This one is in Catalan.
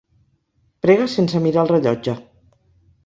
Prega sense mirar el rellotge.